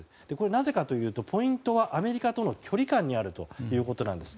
なぜかというとポイントはアメリカとの距離感にあるそうです。